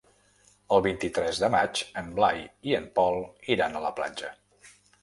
El vint-i-tres de maig en Blai i en Pol iran a la platja.